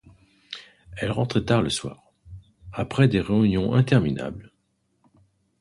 Elle rentrait tard le soir, après des réunions interminables.